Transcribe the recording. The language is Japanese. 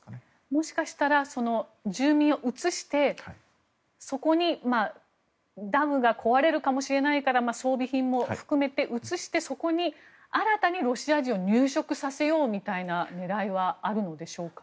もしかしたら住民を移してそこに、ダムが壊れるかもしれないから装備品も含めて移してそこに新たにロシア人を入植させようというような狙いはあるんでしょうか。